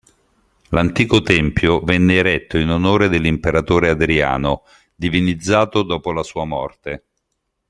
L'antico tempio venne eretto in onore dell'imperatore Adriano, divinizzato dopo la sua morte.